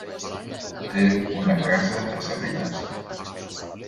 Té una casa a Salines.